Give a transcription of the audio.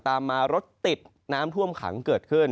ตามมารถติดน้ำท่วมขังเกิดขึ้น